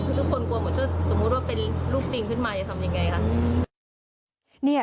ทุกคนกลัวหมดเมื่อเป็นลูกจริงขึ้นมาจะทำยังไงคะ